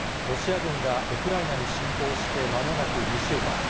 ロシア軍がウクライナに侵攻してまもなく２週間。